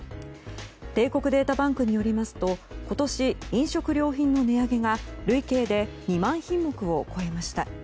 帝国データバンクによりますと今年、飲食料品の値上げが累計で２万品目を超えました。